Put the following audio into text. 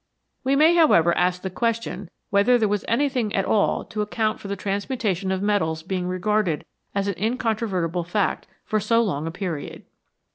We may, however, ask the question whether there was anything at all to account for the transmutation of metals being regarded as an incontrovertible fact for so long a period.